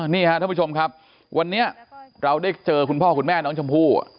นี่ค่ะท่านผู้ชมครับวันนี้เราได้เจอคุณพ่อคุณแม่น้องชมพู่